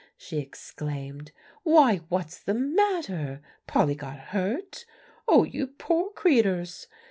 she exclaimed. "Why, what's the matter? Polly got hurt? Oh, you poor creeters!"